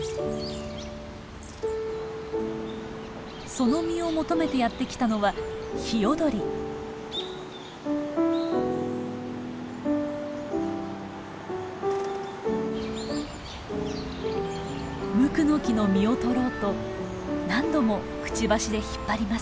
その実を求めてやって来たのはムクノキの実を取ろうと何度もくちばしで引っ張ります。